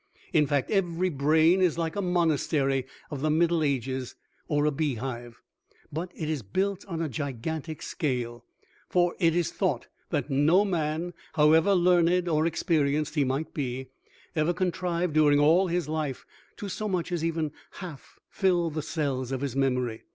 In fact, every brain is like a monastery of the Middle Ages, or a beehive. But it is built on a gigantic scale, for it is thought that no man, however learned or experienced he might be, ever contrived during all his life to so much as even half fill the cells of his memory.